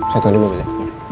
saya tunggu di mobil ya